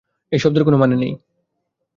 এই শব্দের কোনো মানে নেই।